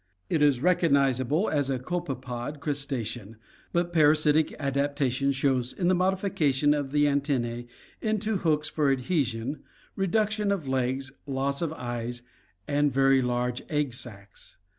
It is recognizable as a copepod crustacean, but parasitic adaptation shows in the modification of the antenna? into hooks for adhesion, PARASITISM AND DEGENERACY 27S B reduction of legs, loss of eyes, and very large egg sacs.